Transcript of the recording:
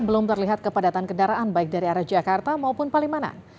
belum terlihat kepadatan kendaraan baik dari arah jakarta maupun palimanan